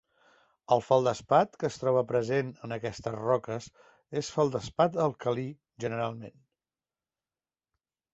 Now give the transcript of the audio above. El feldespat que es troba present en aquestes roques és feldespat alcalí generalment.